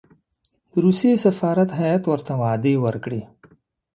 د روسیې سفارت هېئت ورته وعدې ورکړې.